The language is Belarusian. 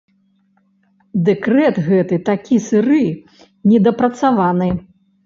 Дэкрэт гэты такі сыры, недапрацаваны.